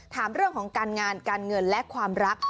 ถามเรื่องของการงานการเงินและความรัก